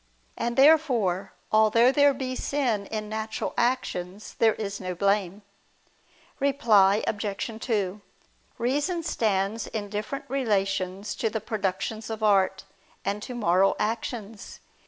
And, therefore, although there be sin in natural actions, there is no blame. Reply Obj. 2: Reason stands in different relations to the productions of art, and to moral actions.